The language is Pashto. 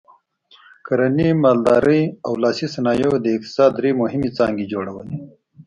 کرنې، مالدارۍ او لاسي صنایعو د اقتصاد درې مهمې څانګې جوړولې.